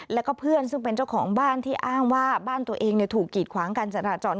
แล้วก็เพื่อนซึ่งเป็นเจ้าของบ้านที่อ้างว่าบ้านตัวเองถูกกีดขวางการจราจร